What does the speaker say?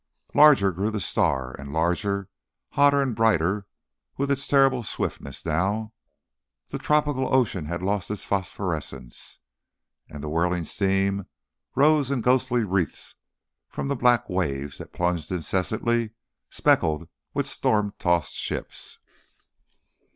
Larger grew the star, and larger, hotter, and brighter with a terrible swiftness now. The tropical ocean had lost its phosphorescence, and the whirling steam rose in ghostly wreaths from the black waves that plunged incessantly, speckled with storm tossed ships.